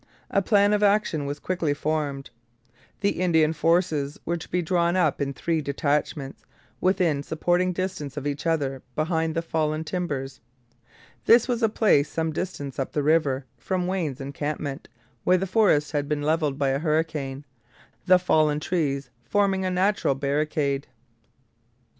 A plan of action was quickly formed. The Indian forces were to be drawn up in three detachments within supporting distance of each other behind the Fallen Timbers. This was a place some distance up the river from Wayne's encampment, where the forest had been levelled by a hurricane, the fallen trees forming a natural barricade.